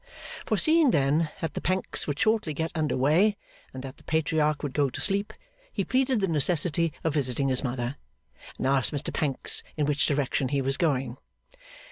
Foreseeing then that the Pancks would shortly get under weigh, and that the Patriarch would go to sleep, he pleaded the necessity of visiting his mother, and asked Mr Pancks in which direction he was going?